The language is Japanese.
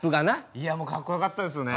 いやもうかっこよかったですよね。